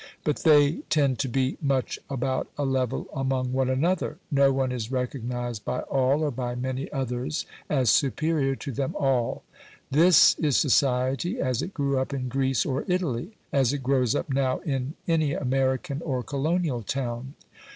But they tend to be much about a level among one another; no one is recognised by all or by many others as superior to them all. This is society as it grew up in Greece or Italy, as it grows up now in any American or colonial town.